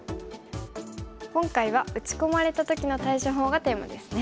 今回は打ち込まれた時の対処法がテーマですね。